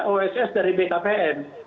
oss dari bkpm